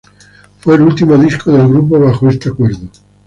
Fue el último disco del grupo bajo este acuerdo.